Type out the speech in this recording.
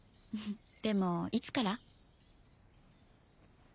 でもいつから？